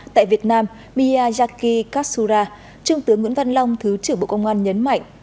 tại việt nam miyayaki katsura trương tướng nguyễn văn long thứ trưởng bộ công an nhấn mạnh